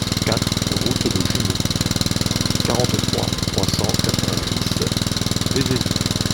quatre route de Jumeaux, quarante-trois, trois cent quatre-vingt-dix, Vézézoux